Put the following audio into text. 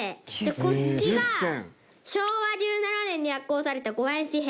こっちが昭和１７年に発行された五円紙幣。